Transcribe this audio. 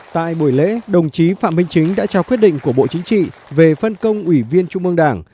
tại buổi lễ đồng chí phạm minh chính đã trao quyết định của bộ chính trị về phân công ủy viên trung mương đảng